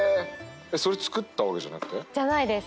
それ作ったわけじゃなくて？じゃないです。